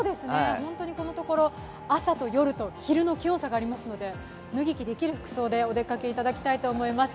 このところ、朝と夜と昼の気温差がありますので脱ぎ着できる服装でお出かけいただきたいと思います。